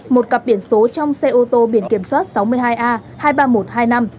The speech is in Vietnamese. một cặp biển số trong xe ô tô biển kiểm soát sáu mươi hai a hai trăm ba mươi một hai mươi năm